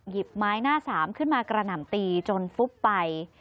ไม้หน้าสามขึ้นมากระหน่ำตีจนฟุบไป